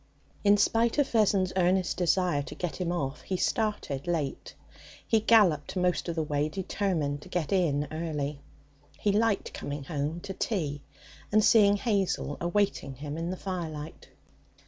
In spite of Vessons' earnest desire to get him off, he started late. He galloped most of the way, determined to get in early. He liked coming home to tea and seeing Hazel awaiting him in the firelight.